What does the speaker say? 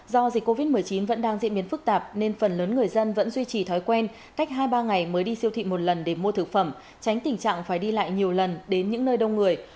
do dịch covid một mươi chín vẫn đang diễn biến phức tạp nên phần lớn người dân vẫn duy trì thói quen cách hai ba ngày mới đi siêu thị một lần để mua thực phẩm tránh tình trạng phải đi lại nhiều lần đến những nơi đông người